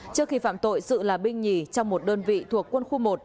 trước khi phạm tội sự là binh nhì trong một đơn vị thuộc quân khu một